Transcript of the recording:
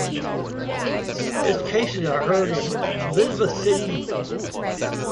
Its cases are heard in Elizabeth City.